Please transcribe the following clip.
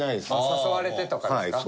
誘われてとかですか？